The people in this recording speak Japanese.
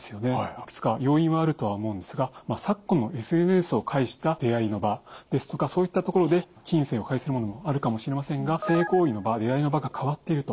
いくつか要因はあるとは思うんですが昨今のＳＮＳを介した出会いの場ですとかそういったところで金銭を介するものもあるかもしれませんが性行為の場出会いの場が変わっていると。